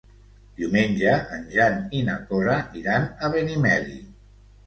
Diumenge en Jan i na Cora iran a Benimeli.